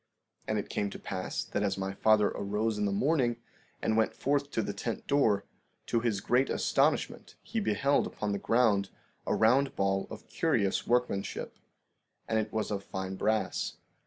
16:10 And it came to pass that as my father arose in the morning, and went forth to the tent door, to his great astonishment he beheld upon the ground a round ball of curious workmanship; and it was of fine brass.